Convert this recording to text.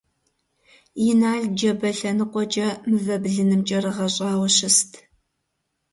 Инал джабэ лъэныкъуэкӀэ мывэ блыным кӀэрыгъэщӀауэ щыст.